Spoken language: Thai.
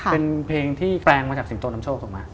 เป็นเพลงที่แปลงมาจากสิงโตนำโชคถูกไหม